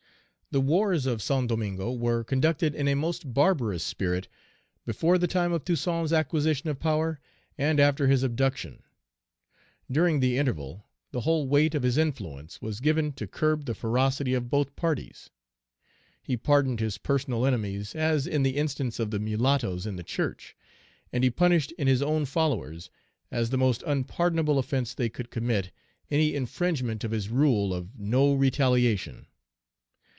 The wars of Saint Domingo were conducted in a most barbarous spirit before the time of Toussaint's acquisition of power and after his abduction. During the interval, the whole weight of his influence was given to curb the ferocity of both parties. he pardoned his personal enemies (as in the instance of the mulattoes in the church), and he punished in his own followers, as the most unpardonable offence they could commit, any infringement of his rule of "No RETALIATION."